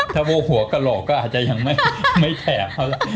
ถ้าว่าหัวกระหลอกก็อาจจะยังไม่แถบ